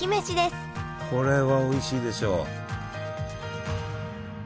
これはおいしいでしょう。